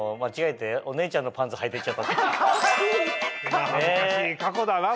まぁ恥ずかしい過去だなそれは。